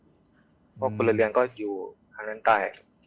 คนละเรือนก็อยู่ทางนั้นใต้